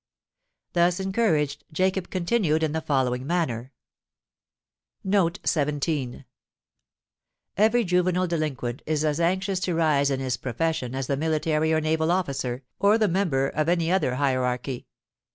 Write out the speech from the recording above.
Thus encouraged, Jacob continued in the following manner. Footnote 17: Every juvenile delinquent is as anxious to rise in his "profession" as the military or naval officer, or the member of any other hierarchy.